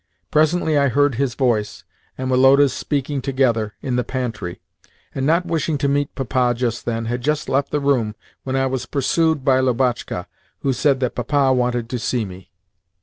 Presently I heard his voice and Woloda's speaking together in the pantry, and, not wishing to meet Papa just then, had just left the room when I was pursued by Lubotshka, who said that Papa wanted to see me.